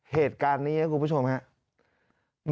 เหตุการณ์นี้ครับคุณผู้ชมครับ